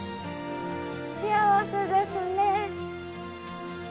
幸せですね。